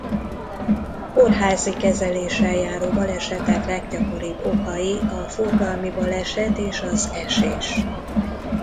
Kórházi kezeléssel járó balesetek leggyakoribb okai a forgalmi baleset és az esés.